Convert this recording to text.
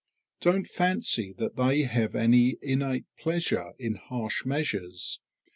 Don't fancy that they have any innate pleasure in harsh measures.